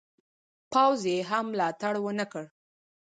پوځ یې هم ملاتړ ونه کړ.